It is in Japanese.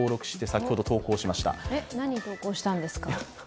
何を投稿したんですか？